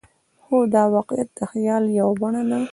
خو دا واقعیت د خیال یوه بڼه ده.